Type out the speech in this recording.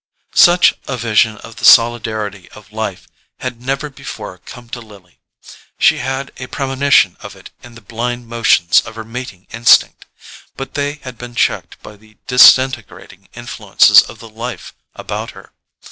Such a vision of the solidarity of life had never before come to Lily. She had had a premonition of it in the blind motions of her mating instinct; but they had been checked by the disintegrating influences of the life about her.